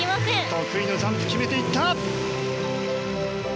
得意のジャンプ決めていった！